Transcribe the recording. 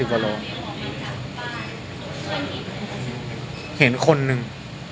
เห็นคนนึง